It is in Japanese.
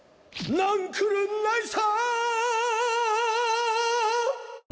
なんくるないさ！